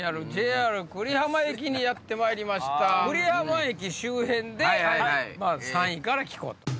久里浜駅周辺で３位から聞こうと。